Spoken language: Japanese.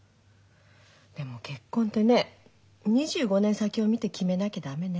でも結婚ってね２５年先を見て決めなきゃ駄目ね。